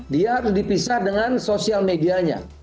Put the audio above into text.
dia harus dipisah dengan sosial medianya